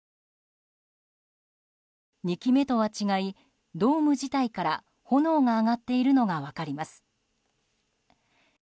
２機目とは違い、ドーム自体から炎が上がっているのが分かります。